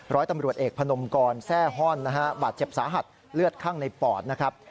๑ร้อยตำรวจเอกพนมกรแทร่ฮ่อนบาดเจ็บสาหัสเลือดข้างในปอด